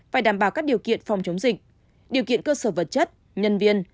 phải đảm bảo các điều kiện phòng chống dịch điều kiện cơ sở vật chất nhân viên